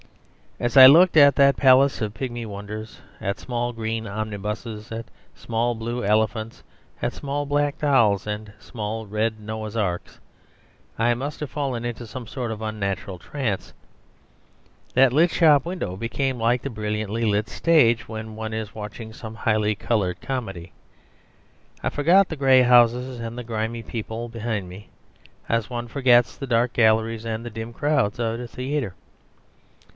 ..... As I looked at that palace of pigmy wonders, at small green omnibuses, at small blue elephants, at small black dolls, and small red Noah's arks, I must have fallen into some sort of unnatural trance. That lit shop window became like the brilliantly lit stage when one is watching some highly coloured comedy. I forgot the grey houses and the grimy people behind me as one forgets the dark galleries and the dim crowds at a theatre.